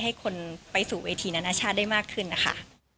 ให้คนไปสู่เวทีนานาชาติได้มากขึ้นนะคะ